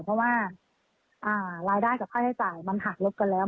เพราะว่ารายได้กับค่าใช้จ่ายมันหักลบกันแล้ว